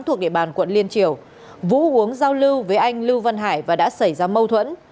thuộc địa bàn quận liên triều vũ giao lưu với anh lưu văn hải và đã xảy ra mâu thuẫn